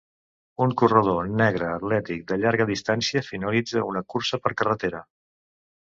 Un corredor negre atlètic de llarga distància finalitza una cursa per carretera